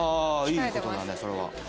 いい事だねそれは。